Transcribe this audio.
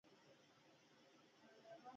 آزاد تجارت مهم دی ځکه چې فلمونه خپروي.